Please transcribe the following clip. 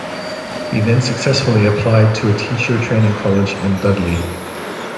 He then successfully applied to a teacher training college in Dudley.